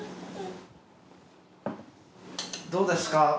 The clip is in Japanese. どうですか？